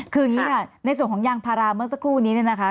คืออย่างนี้ค่ะในส่วนของยางพาราเมื่อสักครู่นี้เนี่ยนะคะ